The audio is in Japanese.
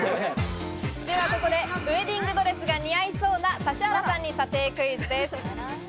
ここでウエディングドレスが似合いそうな指原さんに査定クイズです。